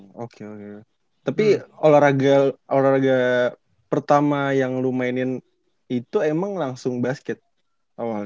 oke oke tapi olahraga pertama yang lu mainin itu emang langsung basket awalnya